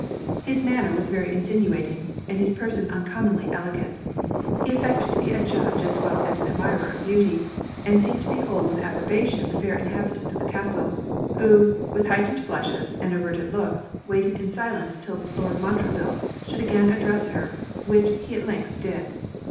His manner was very insinuating, and his person uncommonly elegant. He affected to be a judge as well as an admirer of beauty, and seemed to behold with approbation the fair inhabitant of the castle; who, with heightened blushes, and averted looks, waited in silence 'till Lord Montreville should again address her, which he at length did.